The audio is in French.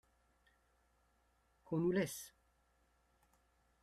Qu’on nous laisse !